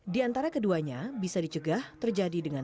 di antara keduanya bisa dicegah terjadi dengan